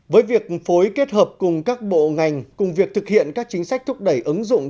với việc phối kết hợp cùng các bộ ngành cùng việc thực hiện các chính sách thúc đẩy ứng dụng